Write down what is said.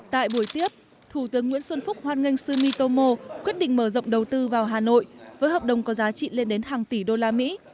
tại buổi tiếp thủ tướng nguyễn xuân phúc hoan nghênh sumitomo quyết định mở rộng đầu tư vào hà nội với hợp đồng có giá trị lên đến hàng tỷ đô la mỹ